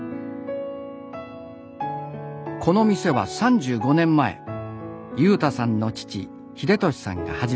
この店は３５年前優太さんの父英俊さんが始めました。